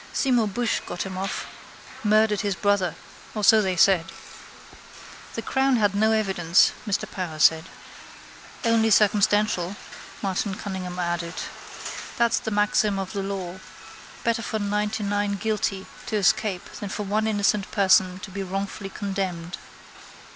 Seymour Bushe got him off. Murdered his brother. Or so they said. —The crown had no evidence, Mr Power said. —Only circumstantial, Martin Cunningham added. That's the maxim of the law. Better for ninetynine guilty to escape than for one innocent person to be wrongfully condemned.